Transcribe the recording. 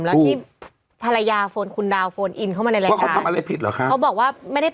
ว่าเค้าทำอะไรผิดหรอคะ